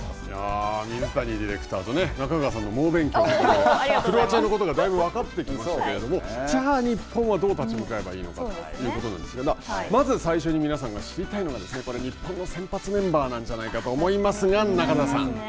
水谷ディレクターがクロアチアのことがだいぶ分かってきましたけれども、じゃあ、日本はどう立ち向かえばいいかというところなんですが、まず最初に皆さんが知りたいのが日本の先発メンバーじゃないかと思うんですが、中澤さん。